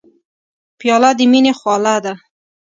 پیاله د مینې خواله ده.